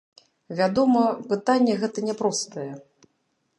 Вядома, пытанне гэта няпростае.